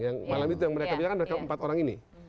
yang malam itu mereka bilang mereka empat orang ini